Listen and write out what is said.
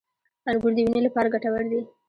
• انګور د وینې لپاره ګټور دي.